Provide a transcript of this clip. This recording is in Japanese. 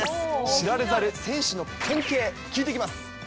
知られざる選手の関係、聞いてきます。